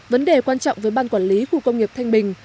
vấn đề quan trọng với ban quản lý khu công nghiệp thanh bình